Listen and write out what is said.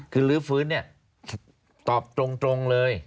คือลื้อฟื้นเนี่ยตอบตรงเลย